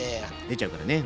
出ちゃうからね。